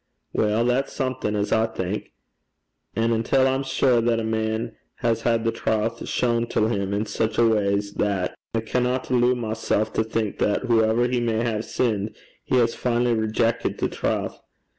'Weel, that's something as I think. An' until I'm sure that a man has had the trowth shawn till him in sic a way 's that, I canna alloo mysel' to think that hooever he may hae sinned, he has finally rejeckit the trowth.